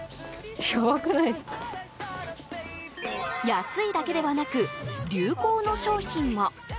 安いだけではなく流行の商品も。